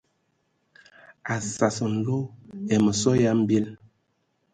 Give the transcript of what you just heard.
A sas nlo ai məsɔ ya mbil.